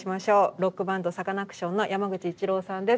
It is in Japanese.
ロックバンドサカナクションの山口一郎さんです。